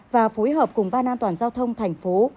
và phối hợp cùng ban an toàn giao thông thành phố